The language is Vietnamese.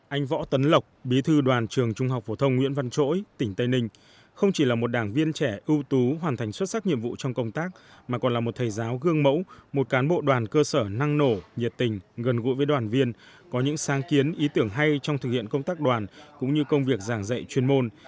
anh võ tấn lộc bí thư đoàn trường trung học phổ thông nguyễn văn chỗi tỉnh tây ninh không chỉ là một đảng viên trẻ ưu tú hoàn thành xuất sắc nhiệm vụ trong công tác mà còn là một thầy giáo gương mẫu một cán bộ đoàn cơ sở năng nổ nhiệt tình gần gũi với đoàn viên có những sáng kiến ý tưởng hay trong thực hiện công tác đoàn cũng như công việc giảng dạy chuyên môn